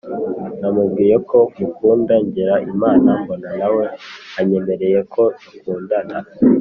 Namubwiye ko mukunda ngira imana mbona nawe anyemereye ko dukundana